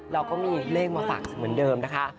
เราก็มีเลขมาฝากเหมือนเดิมนะคะ